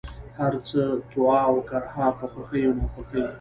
هرڅه، طوعا اوكرها ، په خوښۍ او ناخوښۍ،